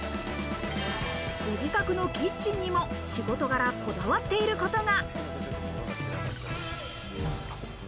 ご自宅のキッチンにも仕事柄こだわっていることが。